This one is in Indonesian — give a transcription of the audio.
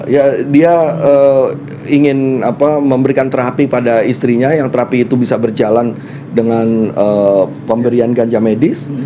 ya dia ingin memberikan terapi pada istrinya yang terapi itu bisa berjalan dengan pemberian ganja medis